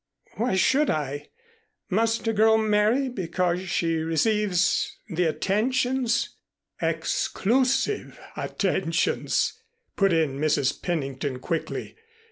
"Why should I? Must a girl marry, because she receives the attentions " "Exclusive attentions," put in Mrs. Pennington quickly.